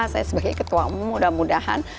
saya sebagai ketua umum mudah mudahan